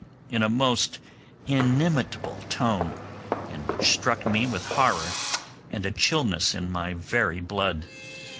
in a most inimitable tone, and which struck me with horror and a chillness in my very blood.